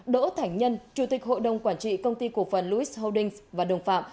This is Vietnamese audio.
đỗ thành nhân chủ tịch hội đồng quản trị công ty cộng phần louis holdings và đồng phạm